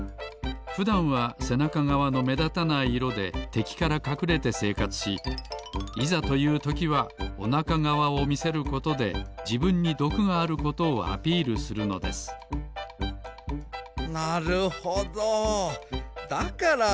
ふだんはせなかがわのめだたない色でてきからかくれてせいかつしいざというときはおなかがわをみせることでじぶんにどくがあることをアピールするのですなるほどだからおなかとせなか